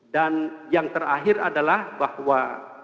dan yang terakhir adalah bahwa